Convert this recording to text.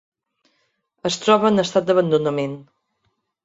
Es troba en estat d'abandonament.